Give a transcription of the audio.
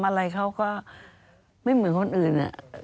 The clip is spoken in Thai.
อะไรเขาก็ไม่เหมือนคนอื่น